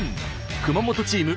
熊本チーム